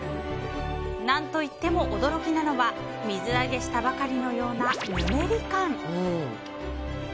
何といっても驚きなのは水揚げしたばかりのようなぬめり感。